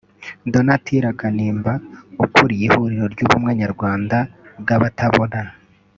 Donatilla Kanimba ukuriye ihuriro ry’ubumwe nyarwanda bw’abatabona